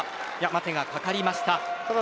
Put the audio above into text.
待てがかかりました。